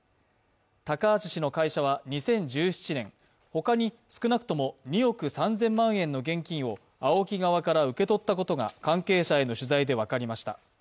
高橋氏の会社は２０１７年、ほかに少なくとも２億３０００万円の現金をＡＯＫＩ側から受け取ったことが関係者への取材で分かりました。